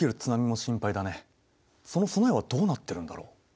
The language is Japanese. その備えはどうなってるんだろう？